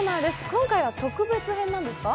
今回は特別編なんですか。